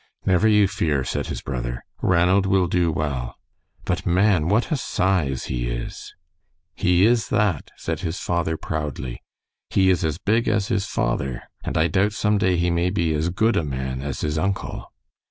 "Never you fear," said his brother. "Ranald will do well. But, man, what a size he is!" "He is that," said his father, proudly. "He is as big as his father, and I doubt some day he may be as good a man as his uncle."